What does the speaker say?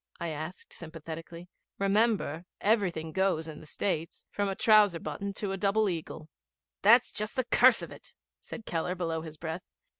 I asked sympathetically. 'Remember, everything goes in the States, from a trouser button to a double eagle.' 'That's just the curse of it,' said Keller below his breath.